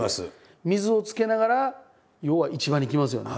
水をつけながら要は市場に来ますよね。